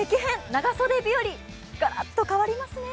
長袖日和ガラッと変わりますね。